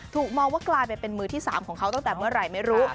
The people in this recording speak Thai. มองว่ากลายไปเป็นมือที่๓ของเขาตั้งแต่เมื่อไหร่ไม่รู้